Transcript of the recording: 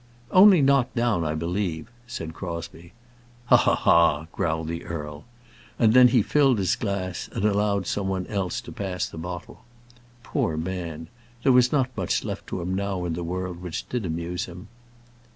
"Only knocked down, I believe," said Crosbie. "Ha, ha, ha!" growled the earl; then he filled his glass, and allowed some one else to pass the bottle. Poor man! There was not much left to him now in the world which did amuse him.